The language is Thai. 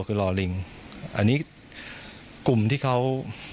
ก็ไม่ได้คิดอะไรมาก